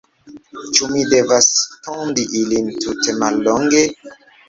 Ĉu mi devas tondi ilin tute mallonge?